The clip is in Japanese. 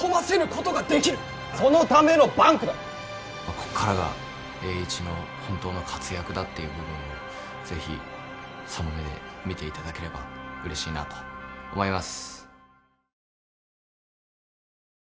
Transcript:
ここからが栄一の本当の活躍だという部分を是非その目で見ていただければうれしいなと思います。